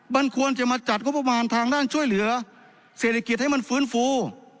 มันควรจะมาจัดงบประมาณทางด้านช่วยเหลือเศรษฐกิจให้มันฟื้นฟู